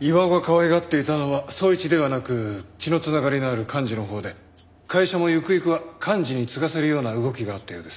巌がかわいがっていたのは宗一ではなく血の繋がりのある寛二のほうで会社もゆくゆくは寛二に継がせるような動きがあったようです。